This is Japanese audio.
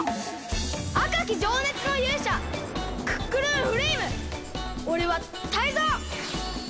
あかきじょうねつのゆうしゃクックルンフレイムおれはタイゾウ！